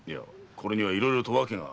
これにはいろいろ訳が。